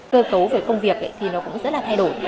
cơ cấu về công việc thì nó cũng rất là thay đổi